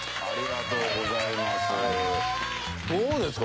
どうですか？